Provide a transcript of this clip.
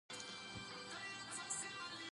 افغانستان کې رسوب د خلکو د خوښې وړ ځای دی.